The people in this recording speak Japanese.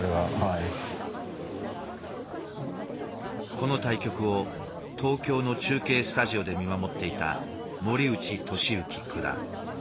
この対局を東京の中継スタジオで見守っていた森内俊之九段。